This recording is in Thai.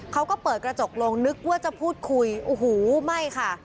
เขาก็เปิดกระจกลงนึกว่าจะพูดคุยโอ้โหไม่ค่ะ